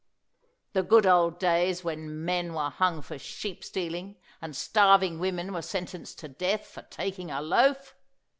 "The good old days when men were hung for sheep stealing, and starving women were sentenced to death for taking a loaf!"